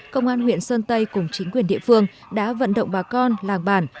công an huyện sơn tây cùng chính quyền địa phương đã vận động bà con làng bản